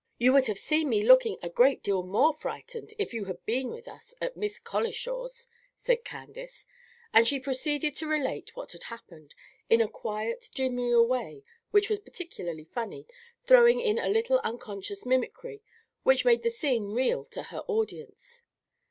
"You would have seen me looking a great deal more frightened if you had been with us at Miss Colishaw's," said Candace; and she proceeded to relate what had happened, in a quiet, demure way which was particularly funny, throwing in a little unconscious mimicry which made the scene real to her audience.